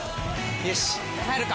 よし帰るか！